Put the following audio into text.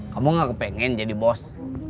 kamu gak kepengen jadi bos